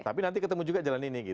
tapi nanti ketemu juga jalan ini